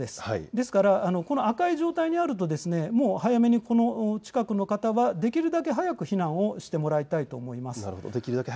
ですから、赤い状態にあると近くの方はできるだけ早く避難をしていただきたいと思います。